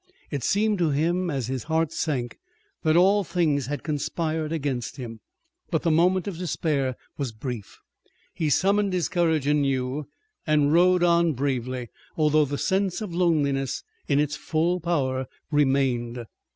It seemed to him, as his heart sank, that all things had conspired against him. But the moment of despair was brief. He summoned his courage anew and rode on bravely, although the sense of loneliness in its full power remained.